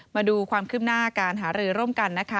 มาดูความคืบหน้าการหารือร่วมกันนะคะ